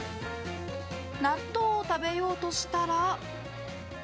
納豆を食べようとしたら。